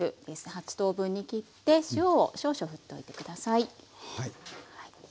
８等分に切って塩を少々ふっておいて下さい。